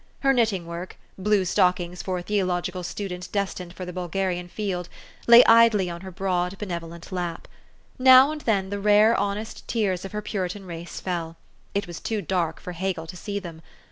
Her knitting work (blue stockings for a theological student des tined for the Bulgarian field) lay idly on her broad, benevolent lap. Now and then the rare, honest tears of her Puritan race fell : it was too dark for Hegel to see them.